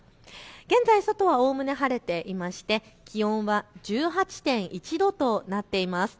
現在、外はおおむね晴れていまして気温は１８．１度となっています。